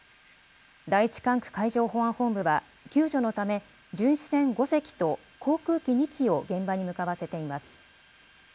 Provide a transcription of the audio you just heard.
第１管区海上保安本部は、救助のため、巡視船５隻と航空機２機を現場に向かわせています。